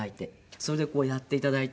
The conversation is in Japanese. それでやって頂いて。